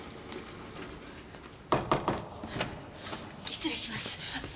失礼します。